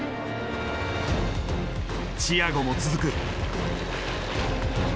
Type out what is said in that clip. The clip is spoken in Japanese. チアゴも続く。